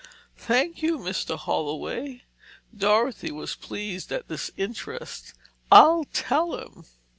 "Thank you, Mr. Holloway." Dorothy was pleased at this interest. "I'll tell him."